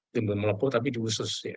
timbul melepuh tapi diusus